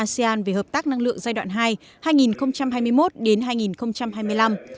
thảo luận hành động asean về hợp tác năng lượng giai đoạn hai hai nghìn hai mươi một hai nghìn hai mươi năm